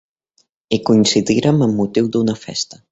Hi coincidírem amb motiu d'una festa.